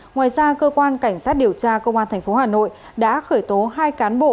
ngoài ra cơ quan cảnh sát điều tra công an tp hà nội đã khởi tố hai cán bộ